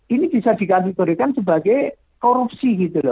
ini bisa dikategorikan sebagai korupsi gitu loh